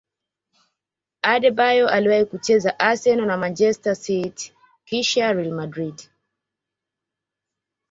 adebayor aliwahi kucheza arsenal na manchester city kisha real madrid